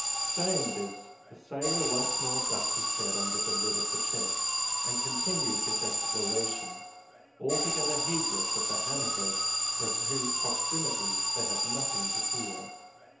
Saying this, the sailor once more ducked his head under the lid of the chest, and continued his exploration, altogether heedless of the "hammer head," from whose proximity they had nothing to fear.